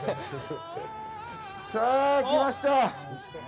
さあ、来ました。